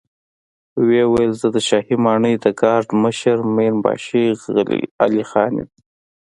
ويې ويل: زه د شاهي ماڼۍ د ګارد مشر مين باشي علی خان يم.